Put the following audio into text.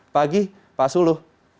pagi pak suluh